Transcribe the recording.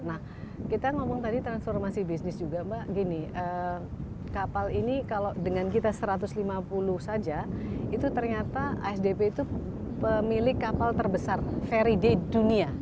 nah kita ngomong tadi transformasi bisnis juga mbak gini kapal ini kalau dengan kita satu ratus lima puluh saja itu ternyata asdp itu pemilik kapal terbesar ferry day dunia